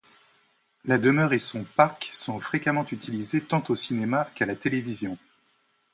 La demeure et son parc sont fréquemment utilisés tant au cinéma qu'à la télévision.